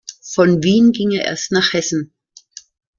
Von Wien ging er erst nach Hessen.